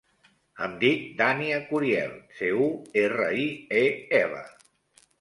Em dic Dània Curiel: ce, u, erra, i, e, ela.